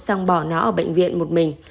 xong bỏ nó ở bệnh viện một mình